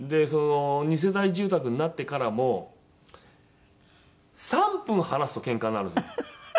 二世帯住宅になってからも３分話すとけんかになるんですよ。